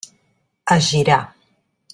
Es girà.